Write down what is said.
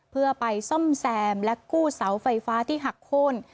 เพื่อไปซ่อมแซมและกู้เสาไฟฟ้าที่หักโค้น